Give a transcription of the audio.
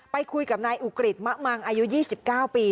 ไปคุยกับนายอุกฤษมะมังอายุ๒๙ปี